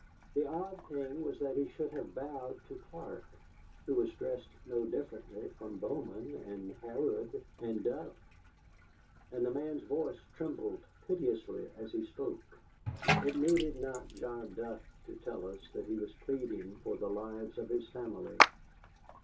The odd thing was that he should have bowed to Clark, who was dressed no differently from Bowman and Harrod and Duff; and the man's voice trembled piteously as he spoke. It needed not John Duff to tell us that he was pleading for the lives of his family.